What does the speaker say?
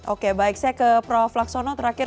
oke baik saya ke prof laksono terakhir